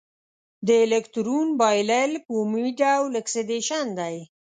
د الکترون بایلل په عمومي ډول اکسیدیشن دی.